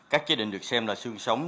các chế định được xem là xương sống